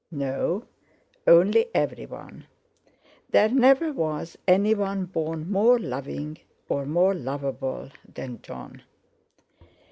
"No; only everyone. There never was anyone born more loving or more lovable than Jon."